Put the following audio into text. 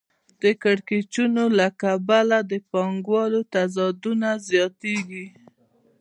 د کړکېچونو له کبله د پانګوالۍ تضادونه زیاتېږي